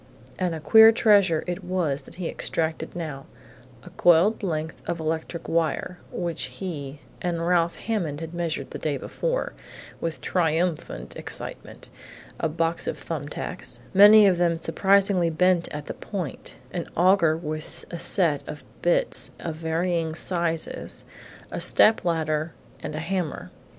And queer treasure it was that he extracted now a coiled length of electric wire, which he and Ralph Hammond had measured the day before, with triumphant excitement; a box of thumb tacks, many of them surprisingly bent at the point; an augur with a set of bits of varying sizes, a step ladder, and a hammer.